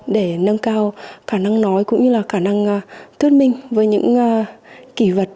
để nâng cao khả năng nói cũng như là khả năng thuyết minh với những kỷ vật